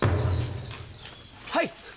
はい。